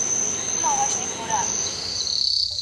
آیا ښځه د شرعي تکليف اهليت لري؟